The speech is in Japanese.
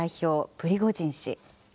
プリゴジン氏。